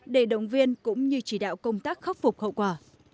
để động viên cũng như chỉ đạo công tác khắc phục hậu quả